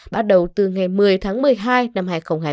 bắt đầu từ ngày một mươi tháng một mươi hai năm hai nghìn hai mươi